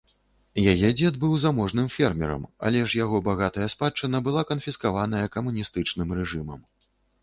Яе дзед быў заможным фермерам, але ж яго багатая спадчына была канфіскаваная камуністычным рэжымам.